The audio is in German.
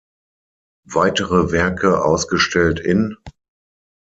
Weitere Werke ausgestellt in